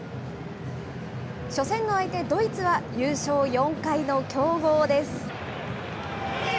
初戦の相手、ドイツは優勝４回の強豪です。